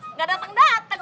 nggak dasar dateng